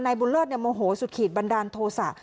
นายบุญเลิศเนี่ยโมโหสุดขีดบันดาลโทสะ